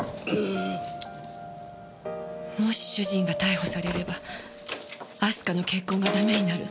もし主人が逮捕されれば明日香の結婚がダメになる。